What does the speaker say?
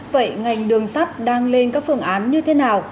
vậy ngành đường sắt đang lên các phương án như thế nào